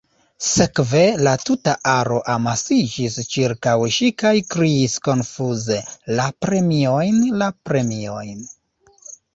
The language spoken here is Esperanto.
Sekve, la tuta aro amasiĝis ĉirkaŭ ŝi kaj kriis konfuze “La premiojn, la premiojn.”